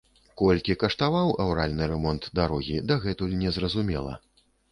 Колькі каштаваў аўральны рамонт дарогі, дагэтуль незразумела.